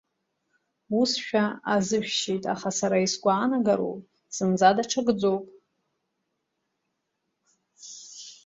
Усшәа азышәшьеит, аха сара исгәаанагароу зынӡа даҽакӡоуп!